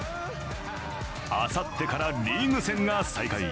あさってから、リーグ戦が再開。